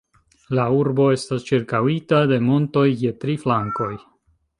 La urbo estas ĉirkaŭita de montoj je tri flankoj.